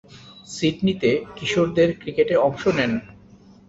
সিডনিতে কিশোরদের ক্রিকেটে অংশ নেন।